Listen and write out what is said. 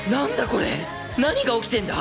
これ何が起きてんだ